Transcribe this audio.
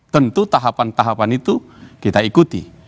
tentu tahapan tahapan itu kita ikuti